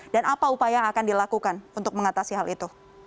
dan apa upaya yang akan dilakukan untuk mengatasi hal itu